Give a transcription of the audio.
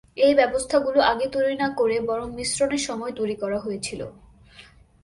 এই ব্যবস্থাগুলো আগে তৈরি না করে বরং মিশ্রণের সময় তৈরি করা হয়েছিল।